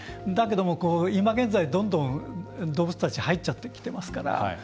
だけども、今現在どんどん、動物たち入ってきちゃってますから。